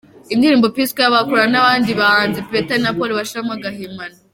Indirimbo P-Square bakorana n’abandi bahanzi, Peter na Paul bashyiramo agahimano.